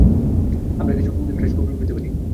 আমরা কিছু fresh coffee পেতে পারি?